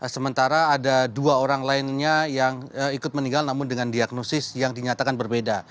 sementara ada dua orang lainnya yang ikut meninggal namun dengan diagnosis yang dinyatakan berbeda